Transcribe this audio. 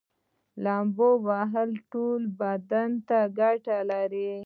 لامبو وهل ټول بدن ته ګټه لري